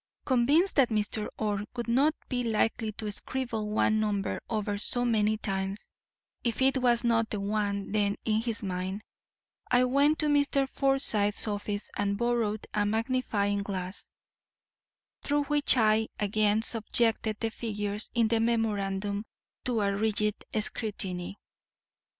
Convinced that Mr. Orr would not be likely to scribble one number over so many times if it was not the one then in his mind, I went to Mr. Forsyth's office and borrowed a magnifying glass, through which I again subjected the figures in the memorandum to a rigid scrutiny.